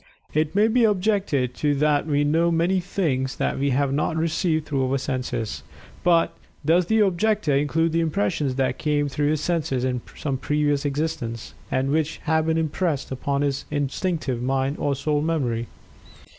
It may be objected to that we know many things that we have not received through our senses. But, does the objector include the impressions that came through his senses in some previous existence, and which have been impressed upon his instinctive mind, or soul memory?